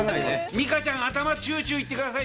美佳ちゃん、頭、チューチュー、行ってください。